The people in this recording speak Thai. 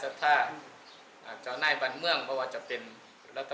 พระพุทธพิบูรณ์ท่านาภิรม